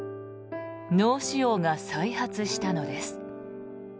脳腫瘍が再発したのです。